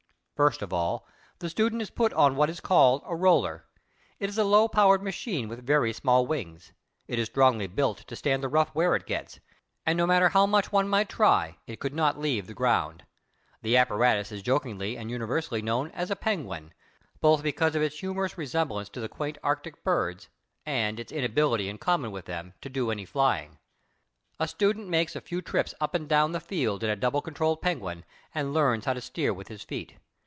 First of all, the student is put on what is called a roller. It is a low powered machine with very small wings. It is strongly built to stand the rough wear it gets, and no matter how much one might try it could not leave the ground. The apparatus is jokingly and universally known as a Penguin, both because of its humorous resemblance to the quaint arctic birds and its inability in common with them to do any flying. A student makes a few trips up and down the field in a double control Penguin, and learns how to steer with his feet.